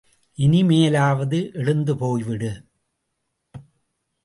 இனிமேலாவது எழுந்து போய்விடு.